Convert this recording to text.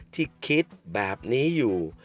คิดแบบนี้อยู่